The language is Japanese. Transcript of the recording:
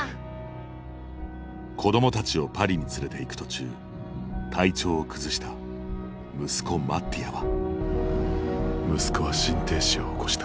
子供たちをパリに連れていく途中体調を崩した息子マッティアは息子は心停止を起こした。